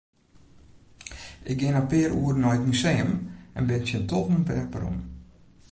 Ik gean in pear oeren nei it museum en bin tsjin tolven wer werom.